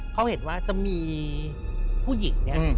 เขาเห็นว่าจะมีผู้หญิง